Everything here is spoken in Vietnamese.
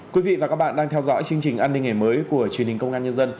quý vị và các bạn đang theo dõi chương trình an ninh ngày mới của truyền hình công an nhân dân